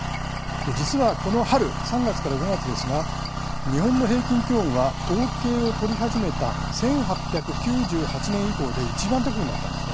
実はこの春３月から５月ですが日本の平均気温は統計を取り始めた１８９８年以降でいちばん高くなったんです。